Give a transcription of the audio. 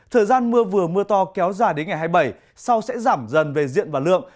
thời gian mưa vừa mưa to kéo dài đến ngày hai mươi bảy sau sẽ giảm dần về diện và lượng